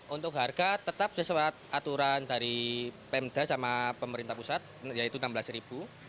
untuk harga tetap sesuai aturan dari pemda sama pemerintah pusat yaitu rp enam belas